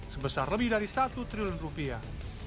sebesar lebih dari satu triliun rupiah